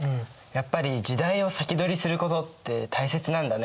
やっぱり時代を先取りすることって大切なんだね。